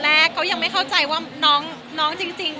เพราะว่ายังไงเป็นความมีปัญหาต่อมาแล้วเหมือนกันนะคะ